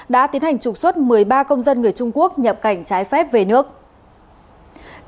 đã tiến hành trục xuất một mươi ba công dân người trung quốc nhập cảnh trái phép về nước